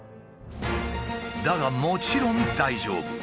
だがもちろん大丈夫。